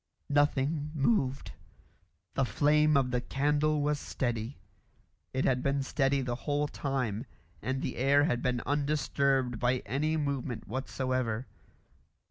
Nothing moved. The flame of the candle was steady. It had been steady the whole time, and the air had been undisturbed by any movement whatsoever.